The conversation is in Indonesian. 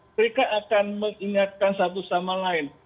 mereka akan mengingatkan satu sama lain